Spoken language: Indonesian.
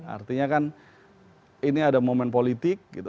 artinya kan ini ada momen politik gitu